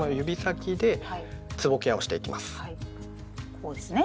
こうですね。